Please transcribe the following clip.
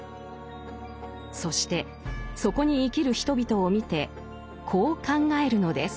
そしてそこに生きる人々を見てこう考えるのです。